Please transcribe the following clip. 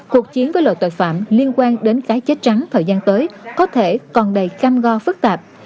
cuộc chiến với loại tội phạm liên quan đến cái chết trắng thời gian tới có thể còn đầy cam go phức tạp